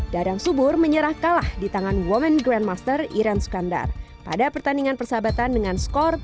dadang subur menyerah kalah di tangan women grandmaster iren sukandar pada pertandingan persahabatan dengan skor tiga